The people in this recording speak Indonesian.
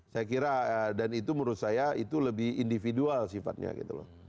saya kira dan itu menurut saya itu lebih individual sifatnya gitu loh